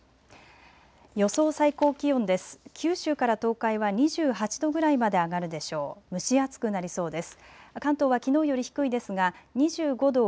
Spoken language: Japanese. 予想最高気温です。